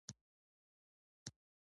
هلته بیا په کار اچول شوي دي.